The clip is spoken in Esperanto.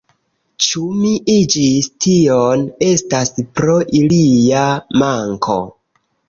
Ĉu mi iĝis tion, estas pro ilia manko.